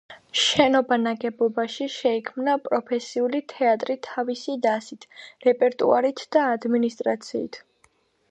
შენობა ნაგებობაში შეიქმნა პროფესიული თეატრი თავისი დასით, რეპერტუარით და ადმინისტრაციით.